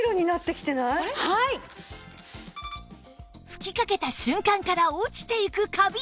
吹きかけた瞬間から落ちていくカビ